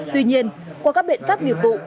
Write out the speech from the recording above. tuy nhiên qua các biện pháp nghiệp vụ